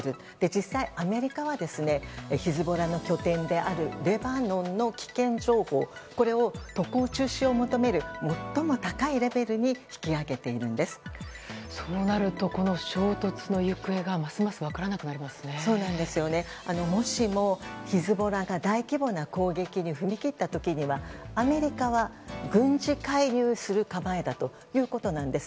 実際、アメリカはヒズボラの拠点であるレバノンの危険情報を渡航中止を求める最も高いレベルにそうなると、この衝突の行方がもしもヒズボラが大規模な攻撃に踏み切った時にはアメリカは軍事介入する構えだということなんです。